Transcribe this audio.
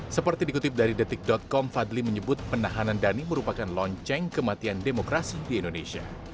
seperti dikutip dari detik com fadli menyebut penahanan dhani merupakan lonceng kematian demokrasi di indonesia